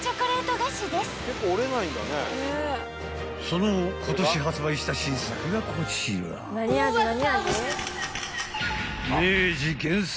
［その今年発売した新作がこちら］